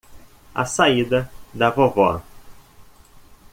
A saída da vovó